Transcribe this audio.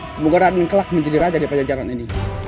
semoga raden kelak menjadi raja di pajajaran ini